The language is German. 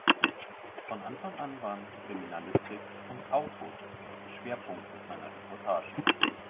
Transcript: Von Anfang an waren "Kriminalistik" und "Autos" Schwerpunkte seiner Reportagen.